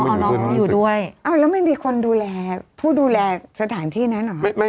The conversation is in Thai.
แล้วใครทำรวมให้หัวเพื่อดูแลที่นั้น